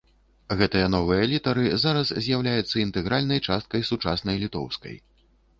Гэтыя новыя літары зараз з'яўляюцца інтэгральнай часткай сучаснай літоўскай.